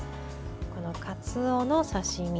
これは、かつおの刺身。